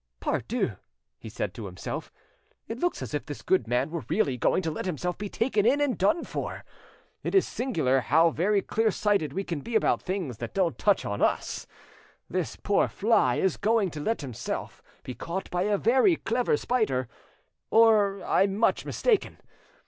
"Pardieu!" he said to himself, "it looks as if this good man were really going to let himself be taken in and done for. It is singular how very clear sighted we can be about things that don't touch us. This poor fly is going to let himself be caught by a very clever spider, or I'm much mistaken.